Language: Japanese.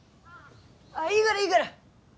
ああいいがらいいがら。